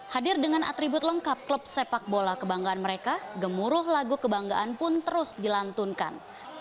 hadir dengan atribut lengkap klub sepak bola kebanggaan mereka gemuruh lagu kebanggaan pun terus dilantunkan